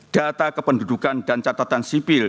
data kependudukan dan catatan sipil